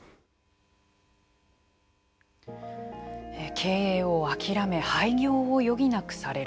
経営を諦め廃業を余儀なくされる。